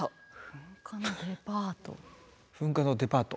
噴火のデパート？